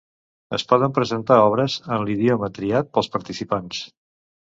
Es poden presentar obres en l'idioma triat pels participants.